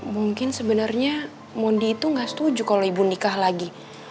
mungkin sebenarnya mondi itu nggak setuju kalau ibu nikah lagi